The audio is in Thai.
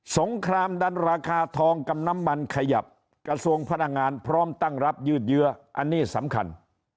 งครามดันราคาทองกับน้ำมันขยับกระทรวงพลังงานพร้อมตั้งรับยืดเยื้ออันนี้สำคัญ